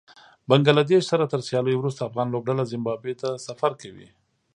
بنګله دېش سره تر سياليو وروسته افغان لوبډله زېمبابوې ته سفر کوي